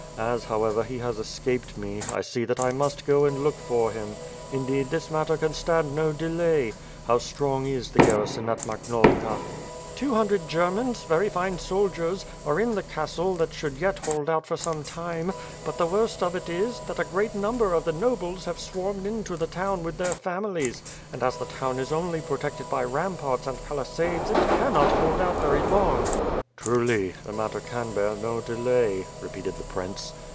As, however, he has escaped me, I see that I must go and look for him. Indeed, this matter can stand no de lay. How strong is the garrison at Maknovka?" WITH FIRE AND SWORD. 335 "Two hundred Germans, very fine soldiers, are in the castle that should yet hold out for some time; but the worst of it is, that a great number of the nobles have Bwarmed into the town with their families, and as the town is only pro tected by ram parts and palisades it cannot hold out very long/' "Truly, the matter can bear no delay,'' repeated the prince.